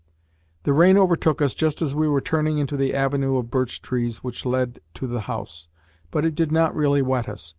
The rain overtook us just as we were turning into the avenue of birch trees which led to the house, but it did not really wet us.